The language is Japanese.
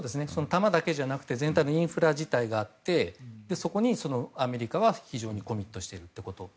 弾だけじゃなくて全体のインフラ自体があってそこにアメリカが非常にコミットしていると。